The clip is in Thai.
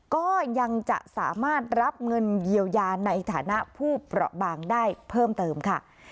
ก็ยังจะสามารถรับเงินเยียวยาในฐานะผู้เปราะบางได้เพิ่มเติมค่ะ